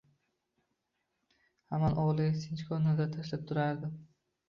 Hamon o‘g‘liga sinchkov nazar tashlab turardi.